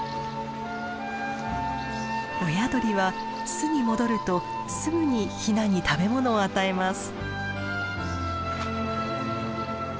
親鳥は巣に戻るとすぐにヒナに食べ物を与えます。